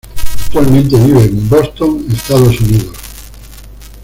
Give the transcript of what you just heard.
Actualmente vive en Boston, Estados Unidos.